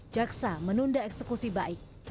jaksa menunda eksekusi baik